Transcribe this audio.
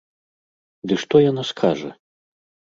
Ды што яна скажа?!